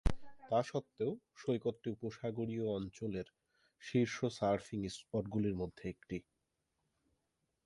তা সত্ত্বেও, সৈকতটি উপসাগরীয় অঞ্চলের শীর্ষ সার্ফিং স্পটগুলির মধ্যে একটি।